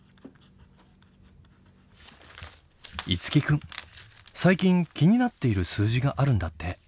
樹君最近気になっている数字があるんだって。